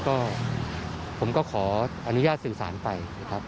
ก็ผมก็ขออนุญาตสื่อสารไป